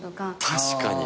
確かに。